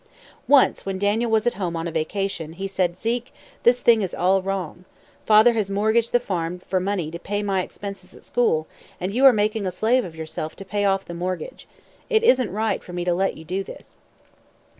Once, when Daniel was at home on a vacation, he said, "Zeke, this thing is all wrong. Father has mortgaged the farm for money to pay my expenses at school, and you are making a slave of yourself to pay off the mortgage. It isn't right for me to let you do this."